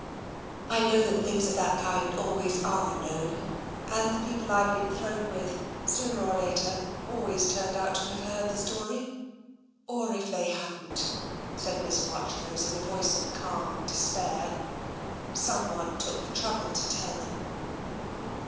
" I know that things of that kind always are known, and the people Tve been thrown with, sooner or later, always turned out to have heard the story. Or if they hadn't," said Miss Marchrose in a voice of calm de spair, " someone took the trouble to tell them."